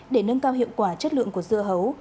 để nâng cao hiệu quả chất lượng của dưa hấu